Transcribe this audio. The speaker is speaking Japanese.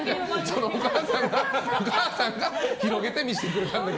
そのおばあさんが広げて見せてくれたんだけどね。